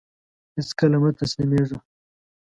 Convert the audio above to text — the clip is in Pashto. هيڅکله مه تسلميږه !